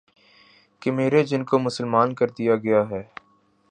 کہ میرے جن کو مسلمان کر دیا گیا ہے